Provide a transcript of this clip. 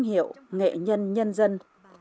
tên hiệu nghệ nhân nhân dân